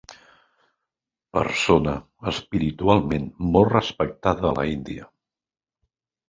Persona espiritualment molt respectada a l'Índia.